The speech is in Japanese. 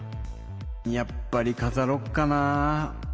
やっぱりかざろっかなぁ。